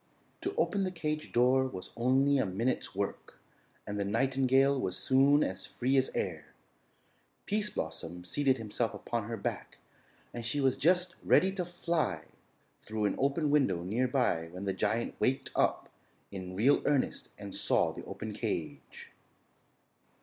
To open the cage door was only a minute's work and the nightingale was soon as free as air. Pease Blossom seated himself upon her back and she was just ready to fly through an open window near by when the giant waked up in real earnest and saw the open cage.